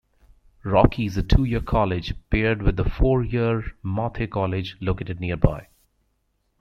Rocky is a two-year college, paired with the four-year Mathey College, located nearby.